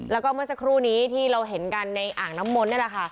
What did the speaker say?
แล้วก็เมื่อสักครู่นี้ที่เราเห็นกันในอ่างน้ำมนต์นี่แหละค่ะ